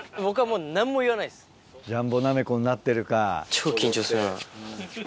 超緊張する。